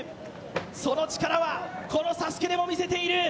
その力はこのＳＡＳＵＫＥでも見せている。